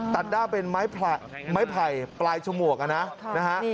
ด้าวเป็นไม้ไผ่ปลายฉมวกนะฮะ